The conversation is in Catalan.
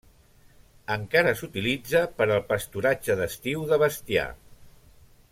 Encara s'utilitza per al pasturatge d'estiu de bestiar.